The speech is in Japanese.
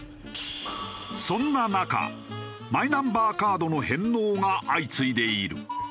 そんな中マイナンバーカードの返納が相次いでいる。